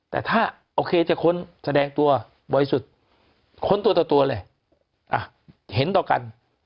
แต่ถ้าโอเคจะค้นแสดงตัวบ่อยสุดค้นตัวเลยอ่ะเห็นต่อกัน